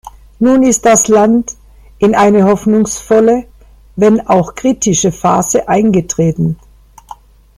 Nun ist das Land in eine hoffnungsvolle, wenn auch kritische Phase eingetreten.